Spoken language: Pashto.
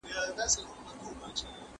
که موږ ووژل شو نو آیا شهیدان به یو؟